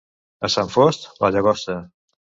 A Sant Fost, la Llagosta.